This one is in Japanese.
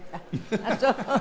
あっそう。